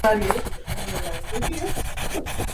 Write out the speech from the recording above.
Tiene centros de educación en Italia, España y Brasil.